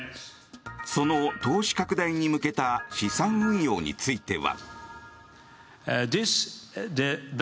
その投資拡大に向けた資産運用については。